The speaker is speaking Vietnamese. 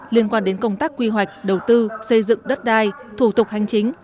liên quan đến công tác quy hoạch đầu tư xây dựng đất đai thủ tục hành chính